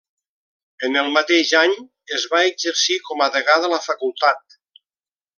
En el mateix any, es va exercir com a degà de la Facultat.